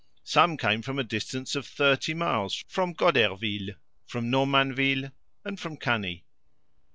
Some came from a distance of thirty miles, from Goderville, from Normanville, and from Cany.